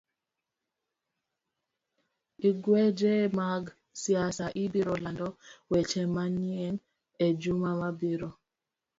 lwenje mag siasa biro lando weche manyien e juma mabiro.